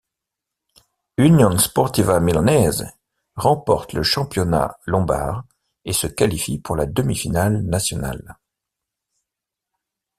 Union Sportiva Milanese remporte le championnat Lombard et se qualifie pour la demi-finale nationale.